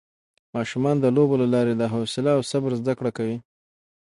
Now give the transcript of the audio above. ماشومان د لوبو له لارې د حوصله او صبر زده کړه کوي